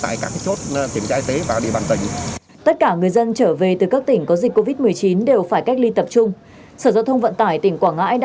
tại các điểm kiểm tra y tế lãnh đạo công an tỉnh cũng đề nghị lực lượng tại các chốt